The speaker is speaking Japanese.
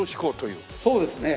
そうですね。